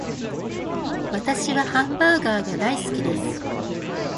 私はハンバーガーが大好きです